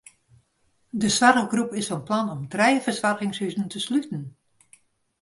De soarchgroep is fan plan om trije fersoargingshuzen te sluten.